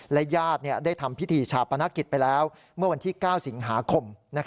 และญาติได้ทำพิธีชาปนกิจไปแล้วเมื่อวันที่๙สิงหาคม